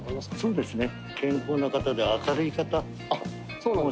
そうですね。